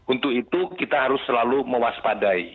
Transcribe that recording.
untuk itu kita harus selalu mewaspadai